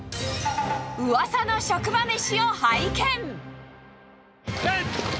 ウワサの職場めしを拝見。